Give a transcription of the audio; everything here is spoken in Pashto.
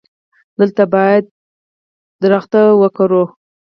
دلته باید ونه وکرو